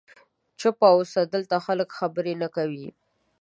چوپ اوسه، دلته خلک خبرې نه کوي.